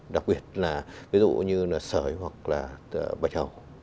đặc biệt là ví dụ như là sởi hoặc là bạch hầu